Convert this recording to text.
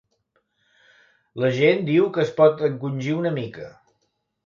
L'agent diu que es pot encongir una mica.